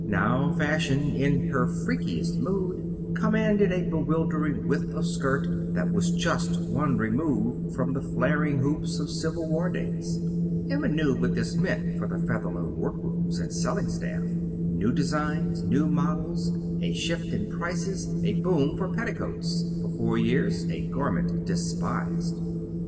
Now, Fashion, in her freakiest mood, commanded a bewildering width of skirt that was just one remove from the flaring hoops of Civil War days. Emma knew what that meant for the Featherloom workrooms and selling staff. New designs, new models, a shift in prices, a boom for petticoats, for four years a garment despised.